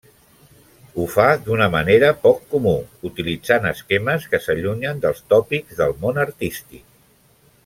Ho fa d'una manera poc comú, utilitzant esquemes que s'allunyen dels tòpics del món artístic.